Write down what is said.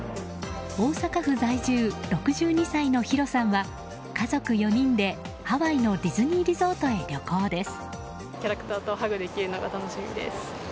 大阪府在住、６２歳のひろさんは家族４人でハワイのディズニーリゾートへ旅行です。